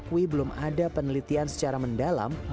kamu kami akan membawak